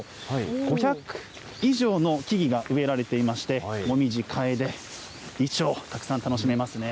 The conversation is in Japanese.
５００以上の木々が植えられていまして、モミジ、カエデ、イチョウ、たくさん楽しめますね。